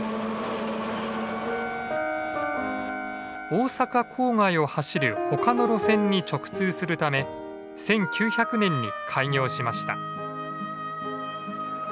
大阪郊外を走る他の路線に直通するため１９００年に開業しました。